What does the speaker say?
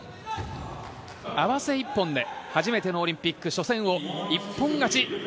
合わせ一本で初めてのオリンピック初戦を一本勝ち。